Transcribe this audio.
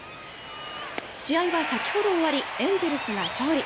試合は先ほど終わりエンゼルスが勝利。